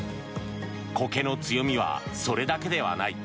コケの強みはそれだけではない。